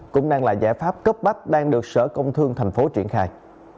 cũng đang là giải pháp cấp bách đang được sở công thương thành phố triển khai